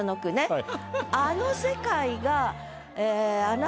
はい。